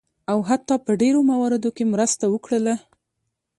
او حتی په ډیرو مواردو کې مرسته وکړله.